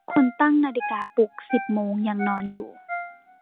คนตั้งนาฬิกาปลุกสิบโมงยังนอนอยู่